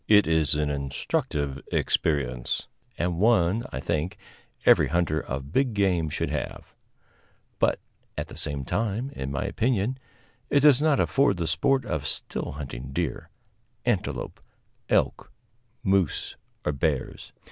It is an instructive experience, and one, I think, every hunter of big game should have; but, at the same time, in my opinion it does not afford the sport of still hunting deer, antelope, elk, moose or bears.